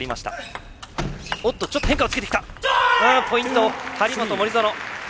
ポイント、張本、森薗。